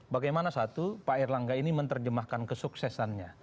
bagaimana satu pak erlangga ini menerjemahkan kesuksesannya